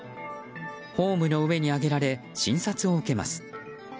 ホームの上に上げられ診察を受けます。